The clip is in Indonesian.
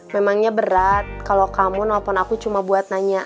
memangnya berat kalau kamu nelfon aku cuma buat nanya